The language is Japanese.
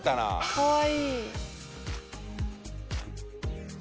かわいい。